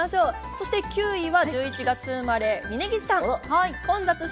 そして９位は１１月生まれ、峯岸さん。